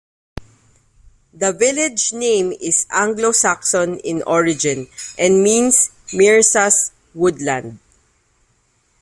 The village name is Anglo Saxon in origin, and means 'Myrsa's woodland'.